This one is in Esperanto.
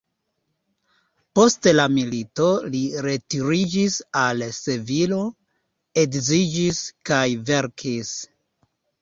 Post la milito li retiriĝis al Sevilo, edziĝis kaj verkis.